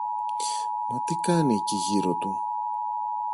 Μα τι κάνει εκεί γύρω του;